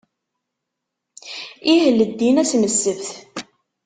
Ih, leddin ass n ssebt.